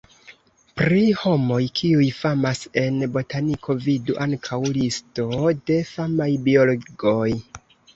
Pri homoj, kiuj famas en botaniko vidu ankaŭ: listo de famaj biologoj.